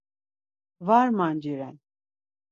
Var manciren.